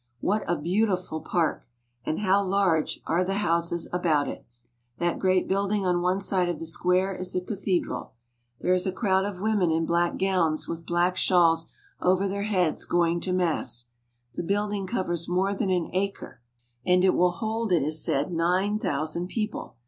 What a beautiful park, and how large are the houses about it! That great building on one side of the square is the cathedral. There is a crowd of women in black gowns, with black shawls over their heads, going to mass. The building covers more than an acre, and it will hold, it is said, nine thousand people.